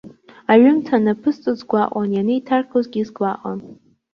Аҩымҭа анаԥысҵоз сгәаҟуан, ианеиҭаргозгьы сгәаҟуан.